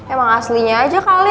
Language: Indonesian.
emang aslinya aja kali